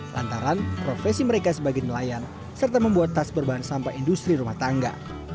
lantaran profesi mereka sebagai nelayan serta membuat tas berbahan sampah industri rumah tangga